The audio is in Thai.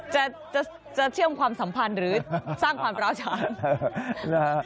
จะเชื่อมความสัมพันธ์หรือสร้างความร้าวช้าง